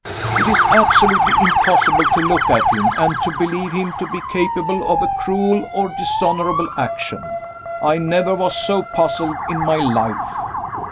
It is absolutely impossible to look at him, and to believe him to be capable of a cruel or dishonorable action. I never was so puzzled in my life.